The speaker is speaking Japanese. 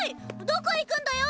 どこ行くんだよ！